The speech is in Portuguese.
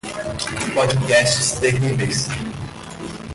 Podcasts terríveis